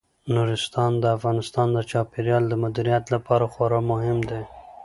نورستان د هیواد د چاپیریال د مدیریت لپاره خورا مهم دی.